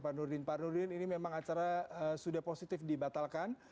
pak nurdin pak nurdin ini memang acara sudah positif dibatalkan